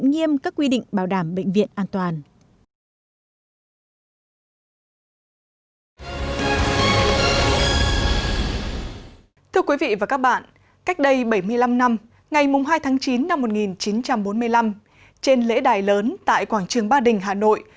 ngày hai tháng chín năm một nghìn chín trăm bốn mươi năm trên lễ đài lớn tại quảng trường ba đình hà nội